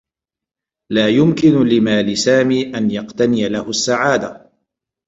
لا يمكن لمال سامي أن يقتني له السّعادة.